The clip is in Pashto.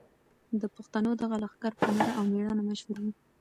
د پښتنو دغه لښکر په نره او مېړانه مشهور و.